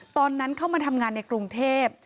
ตอนนั้นเข้ามาทำงานในกรุงเทพ